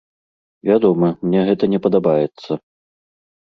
Вядома, мне гэта не падабаецца.